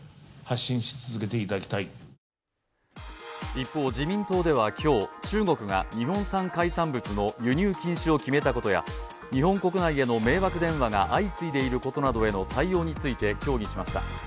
一方、自民党では今日中国が日本産海産物の輸入禁止を決めたことや、日本国内への迷惑電話が相次いでいることなどへの対応について協議しました。